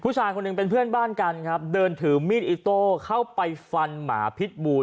ผู้ชายคนหนึ่งเป็นเพื่อนบ้านกันครับเดินถือมีดอิโต้เข้าไปฟันหมาพิษบูร